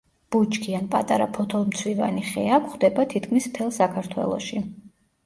ბუჩქი ან პატარა ფოთოლმცვივანი ხეა, გვხვდება თითქმის მთელ საქართველოში.